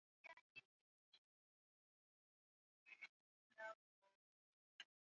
tawala ya uingereza pamoja na misri katika sudan haikukubaliwa na hawa watu